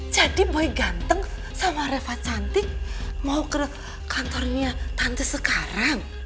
jadi boy ganteng sama reva cantik mau ke kantornya tante sekarang